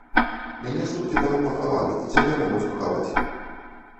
Мяне суткі таму пахавалі, і цябе могуць пахаваць.